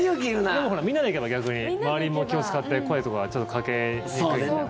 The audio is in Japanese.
でもほら、みんなで行けば逆に周りも気を使って声とかちょっとかけにくいんじゃない？